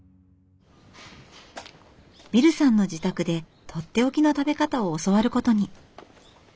ビルさんの自宅で取って置きの食べ方を教わることに。